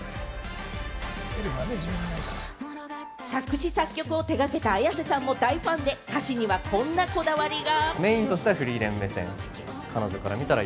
作詞・作曲を手がけたＡｙａｓｅさんも大ファンで、歌詞には、こんなこだわりが。